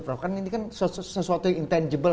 karena ini kan sesuatu yang intangible